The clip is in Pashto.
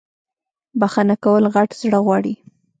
بخښنه کول غت زړه غواړی